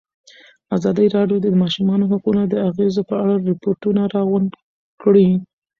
ازادي راډیو د د ماشومانو حقونه د اغېزو په اړه ریپوټونه راغونډ کړي.